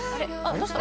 どうした？